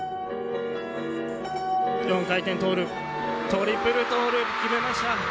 ４回転トーループトリプルトーループ決めました。